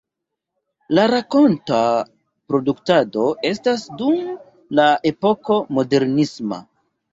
La rakonta produktado ekas dum la epoko modernisma.